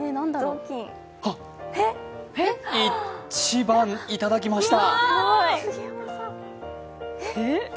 あ、一番、いただきました。